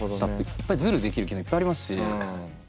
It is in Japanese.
やっぱズルできる機能いっぱいありますし。